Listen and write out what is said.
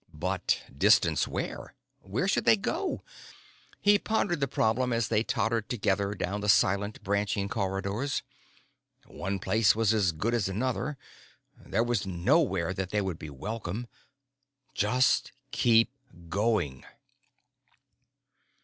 But distance where? Where should they go? He pondered the problem as they tottered together down the silent, branching corridors. One place was as good as another. There was nowhere that they would be welcome. Just keep going.